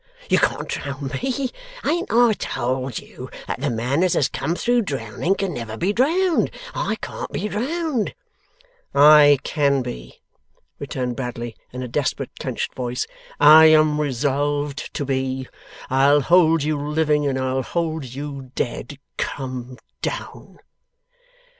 You can't drown Me. Ain't I told you that the man as has come through drowning can never be drowned? I can't be drowned.' 'I can be!' returned Bradley, in a desperate, clenched voice. 'I am resolved to be. I'll hold you living, and I'll hold you dead. Come down!